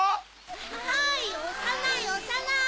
はいおさないおさない！